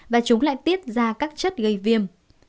và chúng lại tiết ra các chất gây viêm